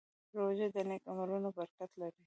روژه د نیک عملونو برکت لري.